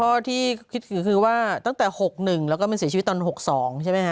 ก็ที่คิดก็คือว่าตั้งแต่๖๑แล้วก็มันเสียชีวิตตอน๖๒ใช่ไหมฮ